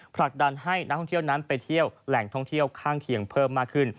ผลักดันให้นักท่องเที่ยวนั้นไปเที่ยวแหล่งท่องเที่ยวข้างเคียงเพิ่มมากขึ้น